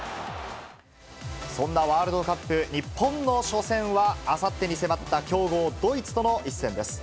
そんなワールドカップ、日本の初戦は、あさってに迫った強豪、ドイツとの一戦です。